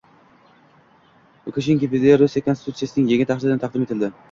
Lukashenkoga Belarus Konstitutsiyasining yangi tahriri taqdim etildi